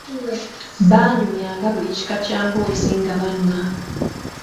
Baanyumyanga buli kika kya mboozi nga banywa.